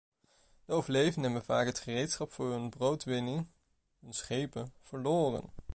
De overlevenden hebben vaak het gereedschap voor hun broodwinning, hun schepen, verloren.